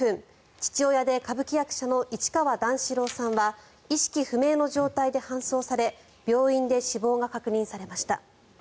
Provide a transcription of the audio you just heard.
父親で歌舞伎役者の市川段四郎さんは意識不明の状態で搬送され病院で死亡が確認されました。